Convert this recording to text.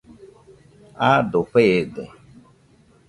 Aado feede.